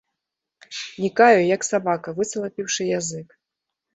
Нікаю, як сабака, высалапіўшы язык.